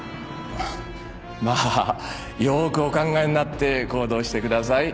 まあよくお考えになって行動してください。